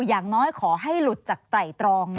อย่างน้อยขอให้หลุดจากไตรตรอง